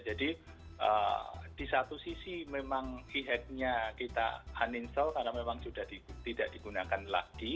jadi di satu sisi memang e hacknya kita uninstall karena memang sudah tidak digunakan lagi